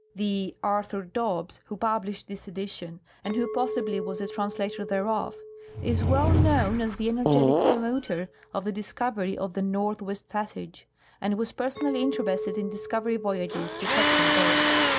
The "Arthur Dobbs " who published this edition, and who possibly was the translator thereof, is well known as the energetic promoter of the discovery of the " northwest passage," and was personally interested in discovery voyages to Hudson bay.